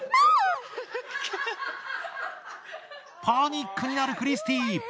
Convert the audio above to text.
パニックになるクリスティ。